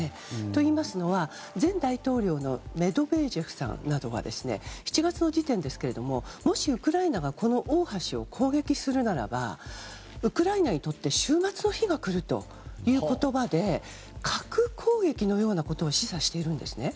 といいますのは、前大統領のメドベージェフさんなどは７月の時点ですけれどももしウクライナがこの大橋を攻撃するならばウクライナにとって終末の日が来るという言葉で核攻撃のような言葉を示唆しているんですね。